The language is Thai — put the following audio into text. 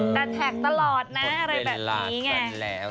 แต่แท็กตลอดนะอะไรแบบนี้ไง